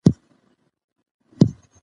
شتمني یوازې په پیسو کې نه ده.